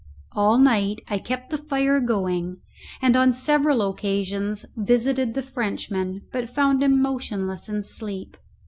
All night I kept the fire going, and on several occasions visited the Frenchman, but found him motionless in sleep.